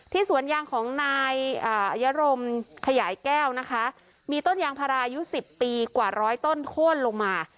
สวนยางของนายรมขยายแก้วนะคะมีต้นยางพาราอายุ๑๐ปีกว่าร้อยต้นโค้นลงมา